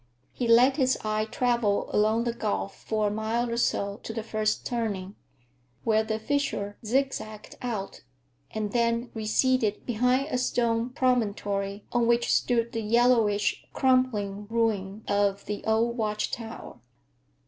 He let his eye travel along the gulf for a mile or so to the first turning, where the fissure zigzagged out and then receded behind a stone promontory on which stood the yellowish, crumbling ruin of the old watch tower.